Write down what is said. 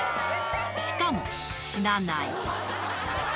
しかも、死なない。